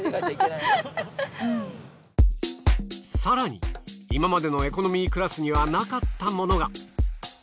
更に今までのエコノミークラスにはなかったものが。